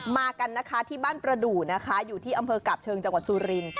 มากันนะคะที่บ้านประดูนะคะอยู่ที่อำเภอกาบเชิงจังหวัดสุรินทร์